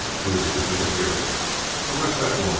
Phew! You could hear it. 'Arrest that woman!'